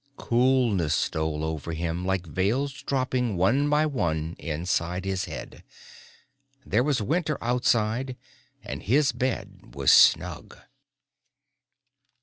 Coolness stole over him like veils dropping one by one inside his head. There was winter outside and his bed was snug.